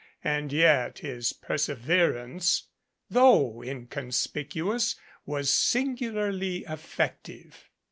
And yet his perseverance, though inconspicu ous, was singularly effective.